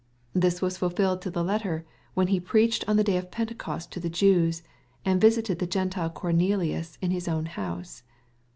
This was fulfilled to the letter, when he preached on the day of Pentecost to the Jews, and visited the Gentile Cornelius at his own house.